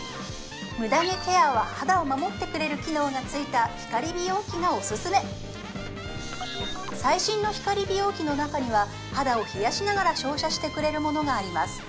ムダ毛ケアは肌を守ってくれる機能がついた光美容器がオススメ最新の光美容器の中には肌を冷やしながら照射してくれるものがあります